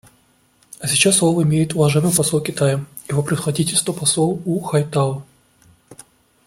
А сейчас слово имеет уважаемый посол Китая — Его Превосходительство посол У Хайтао.